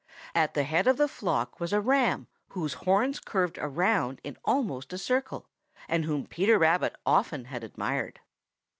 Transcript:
At the head of the flock was a Ram whose horns curved around in almost a circle, and whom Peter Rabbit often had admired.